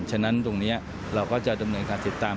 ฉะนั้นตรงนี้เราก็จะดำเนินการติดตาม